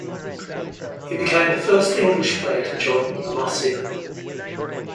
He became the first English player to join La Masia.